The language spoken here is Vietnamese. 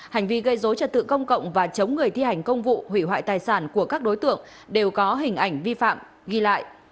hành vi gây dối trật tự công cộng và chống người thi hành công vụ hủy hoại tài sản của các đối tượng đều có hình ảnh vi phạm ghi lại